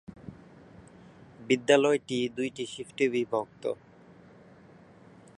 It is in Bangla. বিদ্যালয়টি দুইটি শিফটে বিভক্ত।